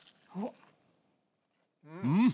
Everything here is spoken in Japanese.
うん！